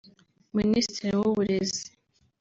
Minisitiri w’uburezi